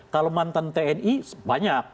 kalau mantan tni banyak